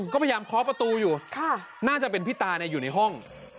ก็พยายามเคาะประตูอยู่น่าจะเป็นพี่ตาอยู่ในห้อง